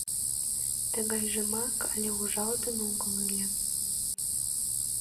Тыгайжымак але ужалтын огыл ыле.